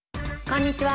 こんにちは。